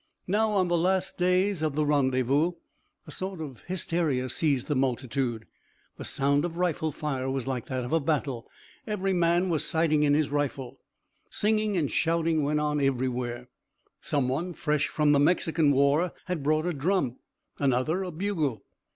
Now, on the last days of the rendezvous, a sort of hysteria seized the multitude. The sound of rifle fire was like that of a battle every man was sighting in his rifle. Singing and shouting went on everywhere. Someone fresh from the Mexican War had brought a drum, another a bugle.